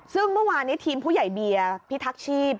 ซึ่งเมื่อวานนี้ทีมผู้ใหญ่เบียร์พิทักษ์ชีพ